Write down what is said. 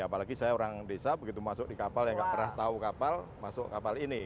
apalagi saya orang desa begitu masuk di kapal yang nggak pernah tahu kapal masuk kapal ini